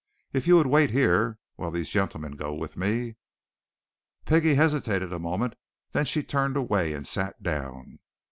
If you would wait here while these gentlemen go with me." Peggie hesitated a moment; then she turned away and sat down.